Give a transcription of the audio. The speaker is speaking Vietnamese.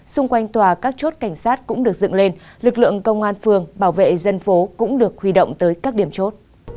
xung quanh tòa các chốt cảnh sát cũng được dựng lên lực lượng công an phường bảo vệ dân phố cũng được huy động tới các điểm chốt